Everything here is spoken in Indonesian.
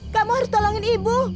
kamu harus tolongin ibu